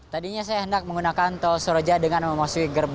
tadinya saya hendak menggunakan tol soreja dengan memasuki gerbang tol soreang